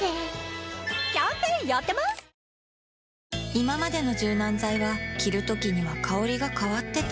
いままでの柔軟剤は着るときには香りが変わってた